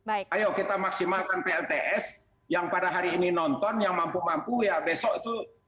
ayo kita maksimalkan plts yang pada hari ini nonton yang mampu mampu ya besok itu